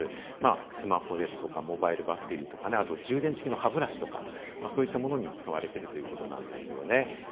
スマホですとかモバイルバッテリーとか、あと充電式の歯ブラシとか、そういったものにも使われているということなんですね。